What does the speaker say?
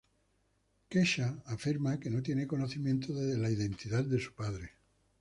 Kesha afirma que no tiene conocimiento de la identidad de su padre.